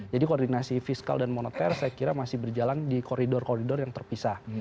jadi koordinasi fiskal dan moneter saya kira masih berjalan di koridor koridor yang terpisah